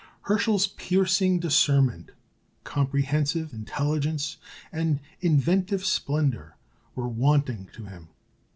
Herschel's piercing discernment, comprehensive intelligence, and inventive splendour were wanting to him.